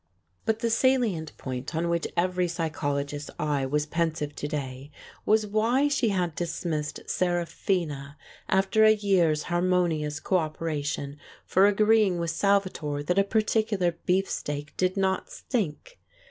But the salient point on which every psycholo gist's eye was pensive to day was why she had dis missed Seraphina after a year's harmonious co opera tion for agreeing with Salvatore that a particular beefsteak did not stink.